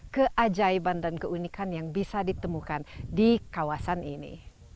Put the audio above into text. keajaiban dan keunikan yang bisa ditemukan di kawasan ini